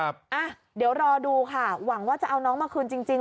เดี๋ยวรอดูค่ะหวังว่าจะเอาน้องมาคืนจริง